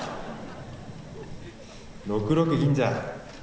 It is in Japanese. ６六銀じゃ。